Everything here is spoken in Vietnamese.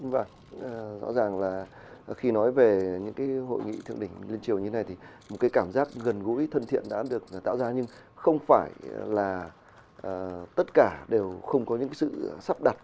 vâng rõ ràng là khi nói về những cái hội nghị thượng đỉnh liên triều như thế này thì một cái cảm giác gần gũi thân thiện đã được tạo ra nhưng không phải là tất cả đều không có những cái sự sắp đặt